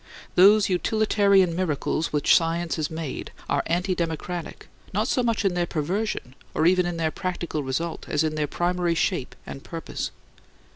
Those utilitarian miracles which science has made are anti democratic, not so much in their perversion, or even in their practical result, as in their primary shape and purpose.